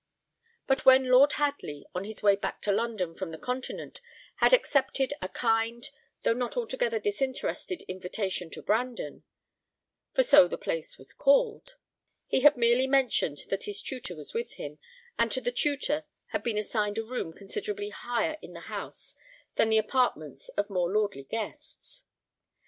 But when Lord Hadley, on his way back to London from the Continent, had accepted a kind, though not altogether disinterested invitation to Brandon for so the place was called he had merely mentioned that his tutor was with him, and to the tutor had been assigned a room considerably higher in the house than the apartments of more lordly guests.